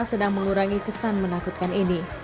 sedang mengurangi kesan menakutkan ini